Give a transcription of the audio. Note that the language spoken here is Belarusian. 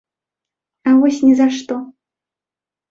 А вось ні за што.